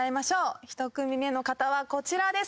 １組目の方はこちらです。